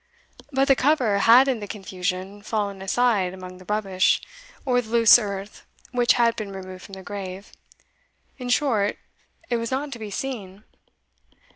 But the cover had in the confusion fallen aside among the rubbish, or the loose earth which had been removed from the grave in short, it was not to be seen.